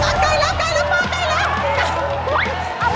อ่าใกล้แล้วใกล้แล้วมาใกล้แล้ว